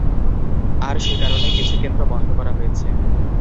আর সে কারণে কিছু কেন্দ্র বন্ধ করা হয়েছে।